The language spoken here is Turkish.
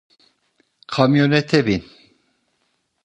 Kamyonete bin.